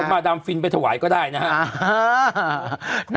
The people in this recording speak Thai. เอามาดามฟินไปถวายก็ได้นะฮะ